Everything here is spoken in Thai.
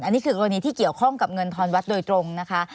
อันนี้คือกรณีที่เกี่ยวข้องกับเงินทอนวัดโดยตรงนะคะ